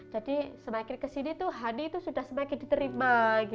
jadi semakin kesini tuh honey itu sudah semakin diterima